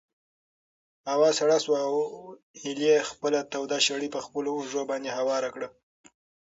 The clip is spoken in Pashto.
هوا سړه شوه او هیلې خپله توده شړۍ په خپلو اوږو باندې هواره کړه.